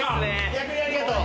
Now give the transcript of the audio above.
逆にありがとう。